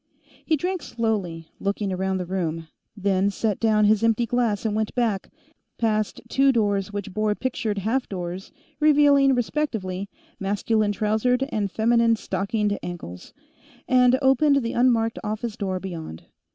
He drank slowly, looking around the room, then set down his empty glass and went back, past two doors which bore pictured half doors revealing, respectively, masculine trousered and feminine stockinged ankles, and opened the unmarked office door beyond.